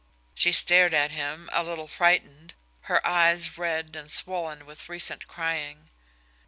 She stared at him, a little frightened, her eyes red and swollen with recent crying.